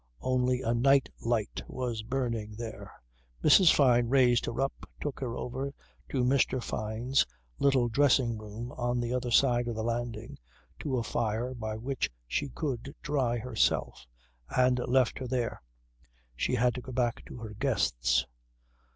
Only a nightlight was burning there. Mrs. Fyne raised her up, took her over to Mr. Fyne's little dressing room on the other side of the landing, to a fire by which she could dry herself, and left her there. She had to go back to her guests.